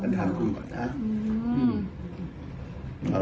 กันทานกูก่อนนะ